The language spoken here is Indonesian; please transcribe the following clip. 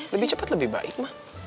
lebih cepat lebih baik mah